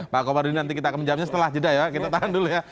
pak komarudin nanti kita akan menjawabnya setelah jeda ya kita tahan dulu ya